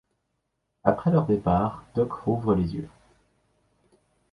Après leur départ, Doc rouvre les yeux.